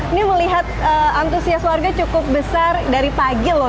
ini melihat antusias warga cukup besar dari pagi loh